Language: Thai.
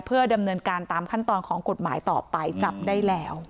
เพื่อดำเนินการตามขั้นตอนของกฎหมายต่อไปจับได้แล้ว